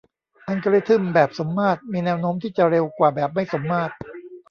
อัลกอริทึมแบบสมมาตรมีแนวโน้มที่จะเร็วกว่าแบบไม่สมมาตร